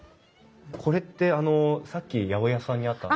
これってあのさっき八百屋さんにあった。